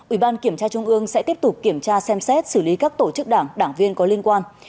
ủy ban kiểm tra trung ương sẽ tiếp tục kiểm tra xem xét xử lý các tổ chức đảng đảng viên có liên quan